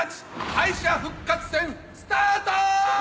敗者復活戦スタート！